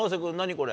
これ。